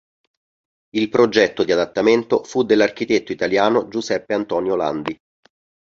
Il progetto di adattamento fu dell'architetto italiano Giuseppe Antonio Landi.